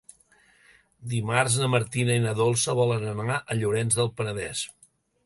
Dimarts na Martina i na Dolça volen anar a Llorenç del Penedès.